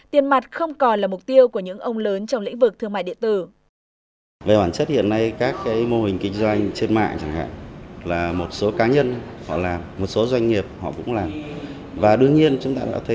tiền mặt không còn là mục tiêu của những ông lớn trong lĩnh vực thương mại điện tử